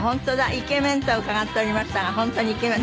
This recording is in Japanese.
イケメンとは伺っておりましたが本当にイケメン。